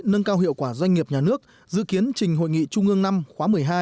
nâng cao hiệu quả doanh nghiệp nhà nước dự kiến trình hội nghị trung ương năm khóa một mươi hai